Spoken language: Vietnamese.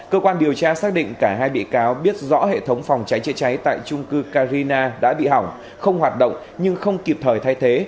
cơ quan điều tra xác định cả hai bị cáo biết rõ hệ thống phòng cháy chữa cháy tại trung cư carina đã bị hỏng không hoạt động nhưng không kịp thời thay thế